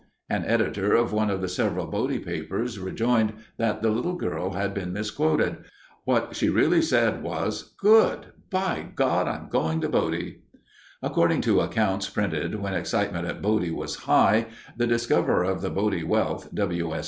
An editor of one of the several Bodie papers rejoined that the little girl had been misquoted. What she really said was, "Good, by God! I'm going to Bodie." According to accounts printed when excitement at Bodie was high, the discoverer of the Bodie wealth, W. S.